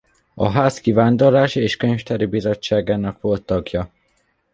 A Ház kivándorlási és könyvtári bizottságának volt tagja.